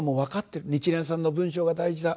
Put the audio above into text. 日蓮さんの文章が大事だ。